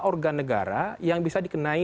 organ negara yang bisa dikenai